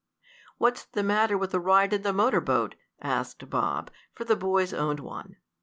"What's the matter with a ride in the motor boat?" asked Bob, for the boys owned one.